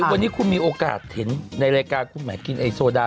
วันนี้คุณมีโอกาสเห็นในรายการคุณหมายกินไอโซดา